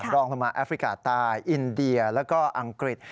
รองลงมาแอฟริกาใต้อินเดียแล้วก็อังกฤษ